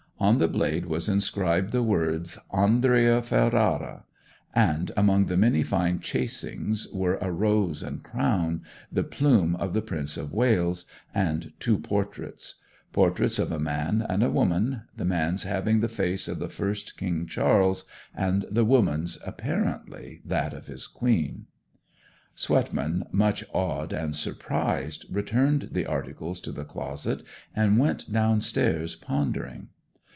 On the blade was inscribed the words 'ANDREA FERARA,' and among the many fine chasings were a rose and crown, the plume of the Prince of Wales, and two portraits; portraits of a man and a woman, the man's having the face of the first King Charles, and the woman's, apparently, that of his Queen. Swetman, much awed and surprised, returned the articles to the closet, and went downstairs pondering.